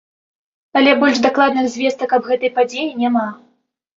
Але больш дакладных звестак аб гэтай падзеі няма.